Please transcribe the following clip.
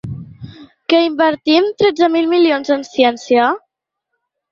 Que invertim tretze mil milions en ciència?